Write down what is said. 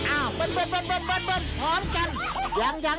อ้าวเบิ่นพร้อมกัน